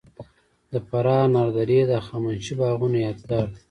د فراه انار درې د هخامنشي باغونو یادګار دی